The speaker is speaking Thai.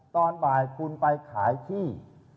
ตอนบ่ายคุณไปขายที่